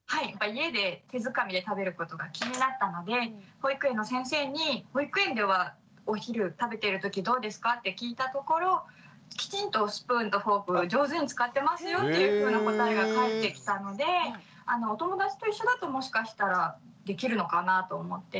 家で手づかみで食べることが気になったので保育園の先生に「保育園ではお昼食べてるときどうですか？」って聞いたところきちんとスプーンとフォークを上手に使ってますよっていうふうな答えが返ってきたのでお友達と一緒だともしかしたらできるのかなと思って。